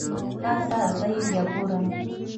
ښه ځه زه يې بيا ګورم.